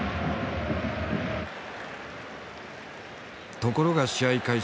ところが試合開始